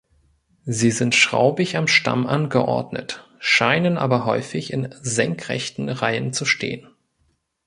Sie sind schraubig am Stamm angeordnet, scheinen aber häufig in senkrechten Reihen zu stehen.